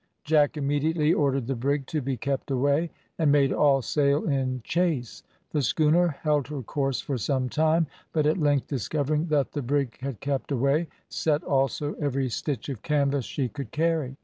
Jack immediately ordered the brig to be kept away, and made all sail in chase. The schooner held her course for some time, but at length discovering that the brig had kept away, set also every stitch of canvas she could carry.